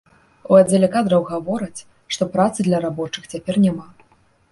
У аддзеле кадраў гавораць, што працы для рабочых цяпер няма.